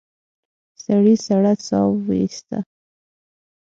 سړي سړه سا ويسته.